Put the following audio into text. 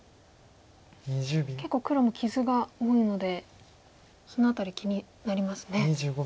結構黒も傷が多いのでその辺り気になりますね。